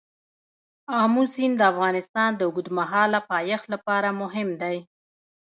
آمو سیند د افغانستان د اوږدمهاله پایښت لپاره مهم دی.